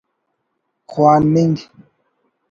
’خواننگ‘